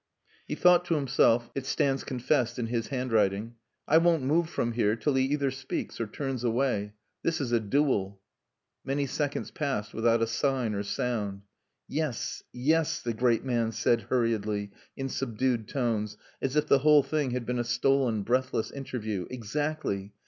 He thought to himself (it stands confessed in his handwriting), "I won't move from here till he either speaks or turns away. This is a duel." Many seconds passed without a sign or sound. "Yes, yes," the great man said hurriedly, in subdued tones, as if the whole thing had been a stolen, breathless interview. "Exactly.